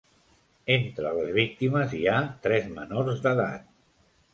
Entre les víctimes, hi ha tres menors d’edat.